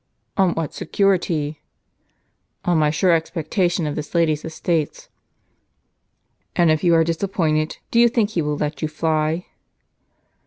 " On what security ?"" On my sure expectation of this lady's estates." "And if you are disappointed, do you think he Avill let you fly?"